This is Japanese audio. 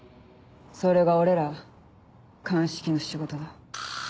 それが俺ら鑑識の仕事だ。